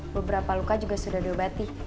beberapa luka juga sudah diobati